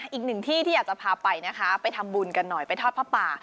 อีกหนึ่งที่ที่อยากจะพาไปนะคะไปทำบุญกันหน่อยไปทอดผ้าป่า